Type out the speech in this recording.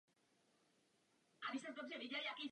Takové požadavky se neslučují se švédskou právní tradicí.